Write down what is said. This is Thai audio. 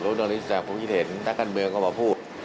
แล้วนักธุรกิจต่างผมคิดเห็นนักการเมืองก็มาพูด